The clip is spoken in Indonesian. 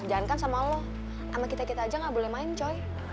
jangan kan sama lo sama kita kita aja gak boleh main coy